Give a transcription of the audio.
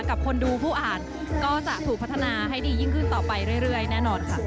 กับคนดูผู้อ่านก็จะถูกพัฒนาให้ดียิ่งขึ้นต่อไปเรื่อยแน่นอนค่ะ